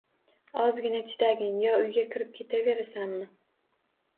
Ozgina chidagin. Yo uyga kirib ketaverasanmi?